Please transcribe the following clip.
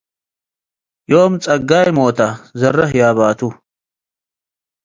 ዮም ጸጋይ ሞተ - ዘረ ህያባቱ